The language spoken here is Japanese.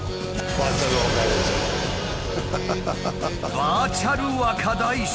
「バーチャル若大将」？